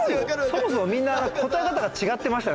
そもそもみんな答え方が違ってましたよ